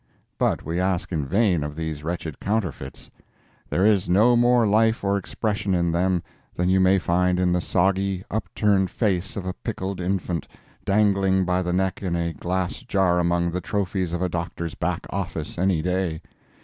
But we ask in vain of these wretched counterfeits. There is no more life or expression in them than you may find in the soggy, upturned face of a pickled infant, dangling by the neck in a glass jar among the trophies of a doctor's back office, any day.